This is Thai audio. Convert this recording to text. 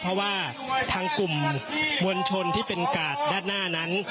เพราะว่าทางกลุ่มมวลชนที่เป็นกาดด้านหน้านั้น